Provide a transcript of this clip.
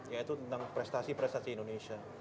yaitu tentang prestasi prestasi indonesia